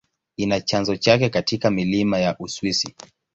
Ina chanzo chake katika milima ya Uswisi.